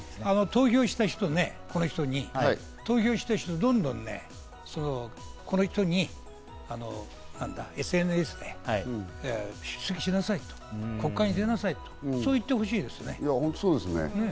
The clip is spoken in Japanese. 投票した人ね、この人に投票した人どんどんね、この人にＳＮＳで出席しなさいと国会に出なさいと、そう言ってほしいですね。